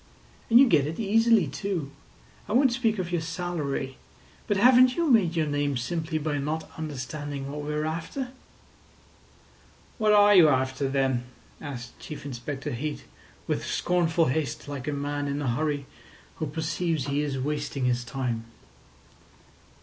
And you get it easily, too. I won't speak of your salary, but haven't you made your name simply by not understanding what we are after?" "What are you after, then?" asked Chief Inspector Heat, with scornful haste, like a man in a hurry who perceives he is wasting his time.